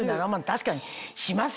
確かにしますよ。